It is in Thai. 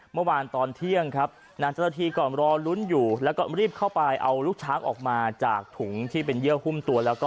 เมื่อวานตอนเที่ยงครับนางเจ้าหน้าที่ก่อนรอลุ้นอยู่แล้วก็รีบเข้าไปเอาลูกช้างออกมาจากถุงที่เป็นเยื่อหุ้มตัวแล้วก็